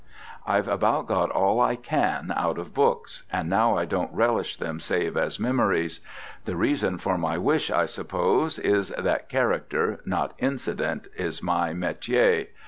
I've got about all I can get out of books, and now I don't relish them save as memories. The reason for my wish, I suppose, is that character, not incident, is my metier.